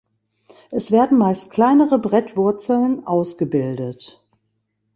Es werden meist kleinere Brettwurzeln ausgebildet.